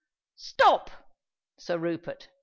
"Stop, Sir Rupert!"